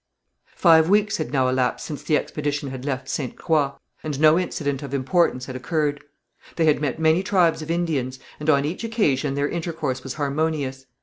Five weeks had now elapsed since the expedition had left Ste. Croix, and no incident of importance had occurred. They had met many tribes of Indians, and on each occasion their intercourse was harmonious.